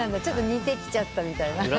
ちょっと似てきちゃったみたいな。